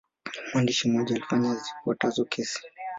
Mwandishi mmoja alifanya zifuatazo kesi.